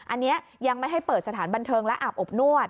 อันนี้ยังไม่ให้เปิดสถานบันเทิงและอาบอบนวด